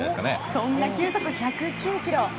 そんな球速１０９キロ。